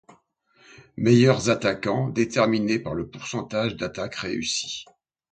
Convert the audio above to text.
Meilleurs attaquants déterminés par le pourcentage d'attaques réussie..